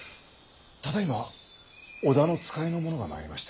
ただいま織田の使いの者が参りまして。